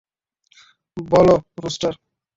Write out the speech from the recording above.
বলো, রুস্টার।